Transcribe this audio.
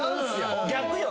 逆よ